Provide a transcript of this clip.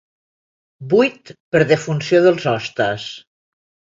Buit per defunció dels hostes.